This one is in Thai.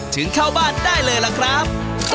ถึงเข้าบ้านได้เลยล่ะครับ